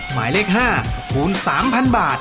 หมายเลข๕คูณ๓๐๐บาท